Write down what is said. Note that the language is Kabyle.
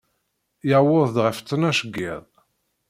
Yuweḍ-d ɣef ttnac n yiḍ.